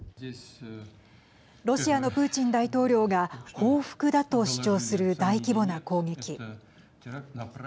ロシアのプーチン大統領が報復だと主張する大規模な攻撃。